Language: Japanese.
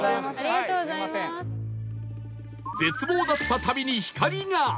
絶望だった旅に光が！